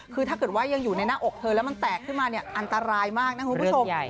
คือถ้าเกิดว่ายังอยู่ในหน้าอกเธอแล้วมันแตกขึ้นมาเนี่ยอันตรายมากนะคุณผู้ชม